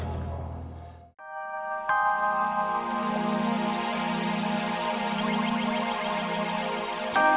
aku tahu tante ambar